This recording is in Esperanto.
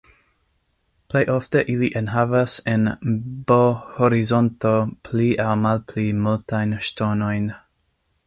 Plej ofte ili enhavas en B-horizonto pli aŭ malpli multajn ŝtonojn.